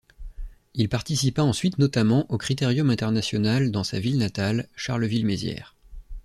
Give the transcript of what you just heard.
Il participa ensuite notamment au Critérium international dans sa ville natale, Charleville-Mézières.